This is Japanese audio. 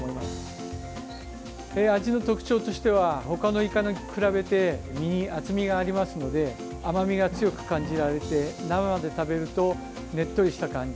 味の特徴としては他のイカに比べて身に厚みがありますので甘みが強く感じられて生で食べるとねっとりした感じ。